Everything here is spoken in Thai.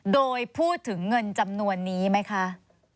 โดยพูดถึงเงินจำนวนนี้ไหมคะ